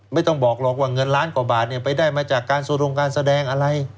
ไม่ต้องบอกหรอกว่าเงินล้านกว่าบาทไปได้มาจากการโซดงการแสดงอะไร